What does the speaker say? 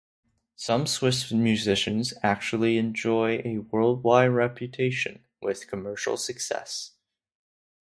Some Swiss musicians actually enjoy a worldwide reputation, with commercial success.